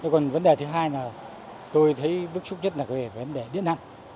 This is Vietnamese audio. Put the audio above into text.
còn vấn đề thứ hai là tôi thấy bước chúc nhất là về vấn đề điện năng